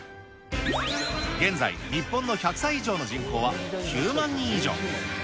現在、日本の１００歳以上の人口は９万人以上。